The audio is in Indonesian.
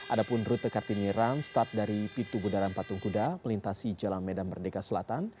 ada pun rute kartini run start dari pintu budaran patung kuda melintasi jalan medan merdeka selatan